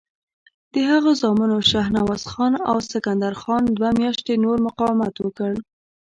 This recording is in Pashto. د هغه زامنو شهنواز خان او سکندر خان دوه میاشتې نور مقاومت وکړ.